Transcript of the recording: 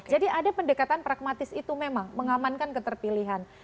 jadi ada pendekatan pragmatis itu memang mengamankan keterpilihan